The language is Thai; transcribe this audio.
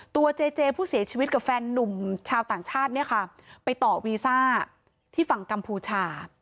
เจเจผู้เสียชีวิตกับแฟนนุ่มชาวต่างชาติเนี่ยค่ะไปต่อวีซ่าที่ฝั่งกัมพูชา